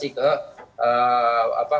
ini adalah perwira yang baik